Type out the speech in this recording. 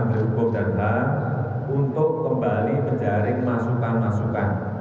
sebegitu yang bisa saya sampaikan